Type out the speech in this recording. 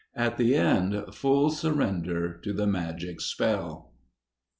At the end, full surrender to the magic spell.